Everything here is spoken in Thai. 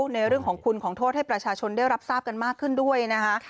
ในเรื่องของคุณของโทษให้ประชาชนได้รับทราบกันมากขึ้นด้วยนะคะ